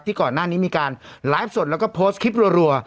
ก่อนหน้านี้มีการไลฟ์สดแล้วก็โพสต์คลิปรัว